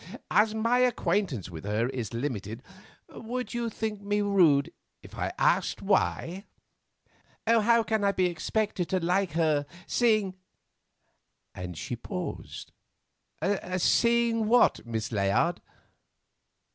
As my acquaintance with her is limited, would you think me rude if I asked why?" "How can I be expected to like her, seeing——" and she paused. "Seeing what, Miss Layard?"